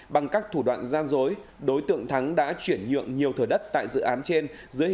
hai nghìn một mươi hai bằng các thủ đoạn gian rối đối tượng thắng đã chuyển nhượng nhiều thừa đất tại dự án trên dưới